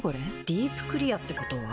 「ディープクリア」ってことは。